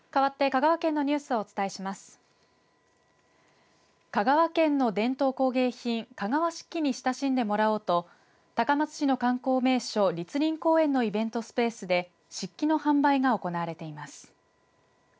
香川県の伝統工芸品香川漆器に親しんでもらおうと高松市の観光名所栗林公園のイベントスペースで漆器の販売が行われています。